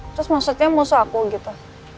terus maksudnya musuh aku gitu